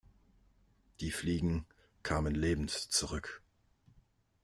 Die Fliegen kamen lebend zurück.